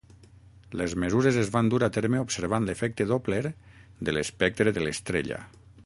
Les mesures es van dur a terme observant l'efecte Doppler de l'espectre de l'estrella.